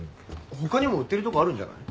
他にも売ってるとこあるんじゃない？